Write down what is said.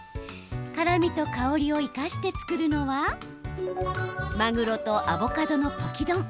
辛みと香りを生かして作るのはまぐろとアボカドのポキ丼。